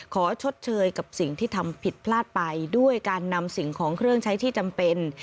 ชดเชยกับสิ่งที่ทำผิดพลาดไปด้วยการนำสิ่งของเครื่องใช้ที่จำเป็น